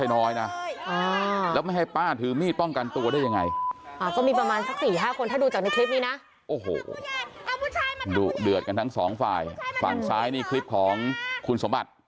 ดุเดือดกันทั้งสองฝ่ายฝั่งซ้ายนี่คลิปของคุณสมบัติ